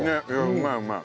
うまいうまい。